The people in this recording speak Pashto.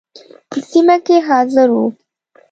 په سیمه کې حاضر وو.